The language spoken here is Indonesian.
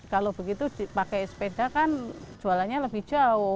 kalau begitu dipakai sepeda kan jualannya lebih jauh